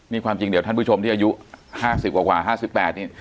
นี่ความจริงเดี๋ยวท่านผู้ชมที่อายุห้าสิบกว่าห้าสิบแปดนี่